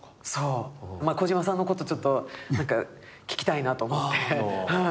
児嶋さんのことをちょっと聞きたいなと思って。